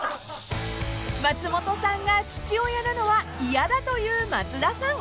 ［松本さんが父親なのは嫌だという松田さん］